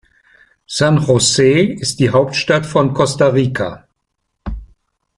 San José ist die Hauptstadt von Costa Rica.